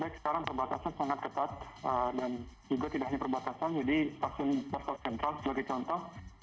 baik sekarang perbatasan sangat ketat dan juga tidak hanya perbatasan jadi vaksin booster sentral sebagai contoh